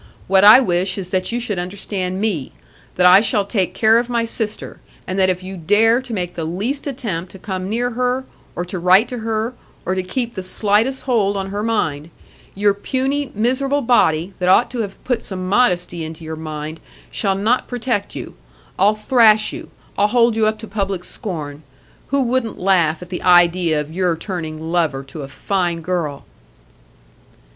"What I wish is that you should understand me,—that I shall take care of my sister, and that if you dare to make the least attempt to come near her, or to write to her, or to keep the slightest hold on her mind, your puny, miserable body, that ought to have put some modesty into your mind, shall not protect you. I'll thrash you; I'll hold you up to public scorn. Who wouldn't laugh at the idea of your turning lover to a fine girl?"